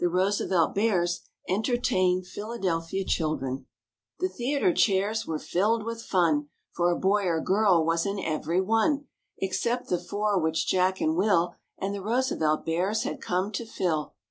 PK SwV���#1 07_thebearsentertainphiladelphiachildren_djvu.txtUT �( d�( d The theatre chairs were filled with fun. For a boy or girl was in every one Except the four which Jack and Will And the Roosevelt Bears had come to fill.